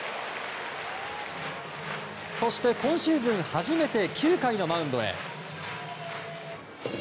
そして、今シーズン初めて９回のマウンドへ。